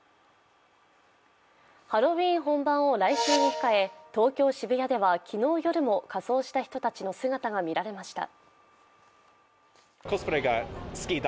ハロウィーン本番を来週に控え、東京・渋谷では昨日夜も仮装した人たちの姿が見られました。